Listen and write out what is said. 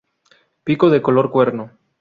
Pico de color cuerno.